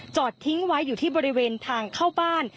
จอดทิ้งไว้อยู่ที่บริเวณทางเข้าบ้าน